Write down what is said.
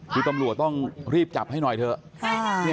คือตำรวจต้องรีบจับให้หน่อยเถอะ